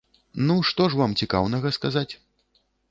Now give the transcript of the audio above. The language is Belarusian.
Ну, што ж вам цікаўнага сказаць?